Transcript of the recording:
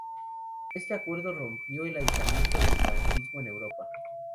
Este acuerdo rompió el aislamiento del franquismo en Europa.